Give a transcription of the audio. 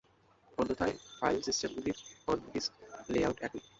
অন্যথায়, ফাইলসিস্টেমগুলির on-disk layout একই।